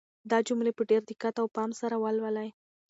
دا جملې په ډېر دقت او پام سره ولولئ.